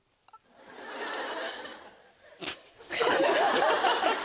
ハハハハ！